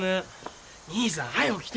兄さん早う来て！